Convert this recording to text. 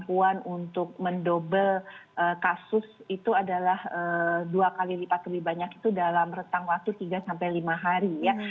kemampuan untuk mendobel kasus itu adalah dua kali lipat lebih banyak itu dalam rentang waktu tiga sampai lima hari ya